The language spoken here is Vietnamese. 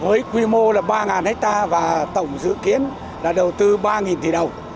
với quy mô là ba ha và tổng dự kiến là đầu tư ba tỷ đồng